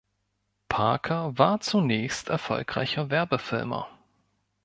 Parker war zunächst erfolgreicher Werbefilmer.